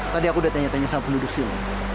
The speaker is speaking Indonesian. tadi aku udah tanya tanya sama penduduk sium